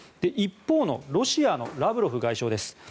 一方のロシアのラブロフ外相です。